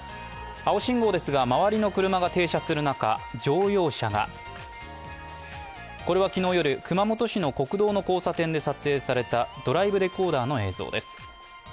青信号ですが周りの車が停車する中、乗用車がこれは昨日夜、熊本市の国道の交差点で撮影されたドライブレコーダーの映像です。